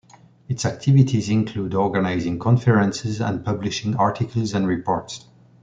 Its activities include organising conferences and publishing articles and reports.